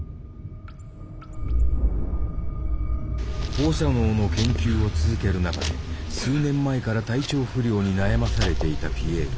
放射能の研究を続ける中で数年前から体調不良に悩まされていたピエール。